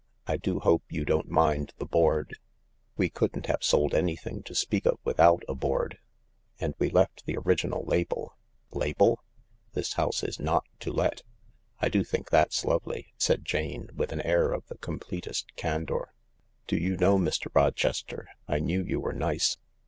" I do hope you don't mind the board ? We couldn't have sold anything to speak of with* out a board — and we left the original label .." Label ?" "'This house is not to let.' I do think that's lovely," said Jane, with an air of the completest candour. " Do you know, Mr. Rochester, I knew you were nice.